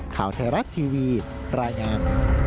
ข่าวแทรกทีวีรายงาน